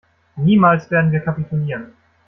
Niemals werden wir kapitulieren!